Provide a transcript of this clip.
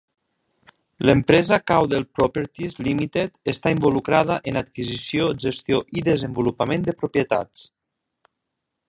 L'empresa Caudwell Properties Limited està involucrada en adquisició, gestió i desenvolupament de propietats.